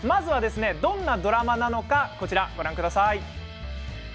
どんなドラマなのかご覧ください。